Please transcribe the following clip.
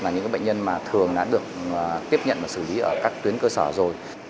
những bệnh nhân mà thường đã được tiếp nhận và xử lý ở các tuyến cơ sở rồi